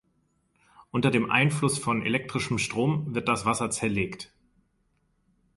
Unter dem Einfluss von elektrischem Strom wird das Wasser zerlegt.